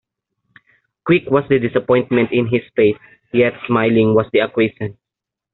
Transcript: Quick was the disappointment in his face, yet smiling was the acquiescence.